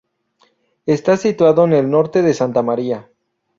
Está situado en el norte de Santa Maria.